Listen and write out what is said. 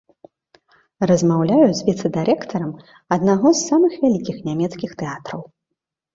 Размаўляю з віцэ-дырэктарам аднаго з самых вялікіх нямецкіх тэатраў.